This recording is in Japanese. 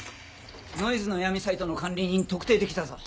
ノイズの闇サイトの管理人特定できたぞ。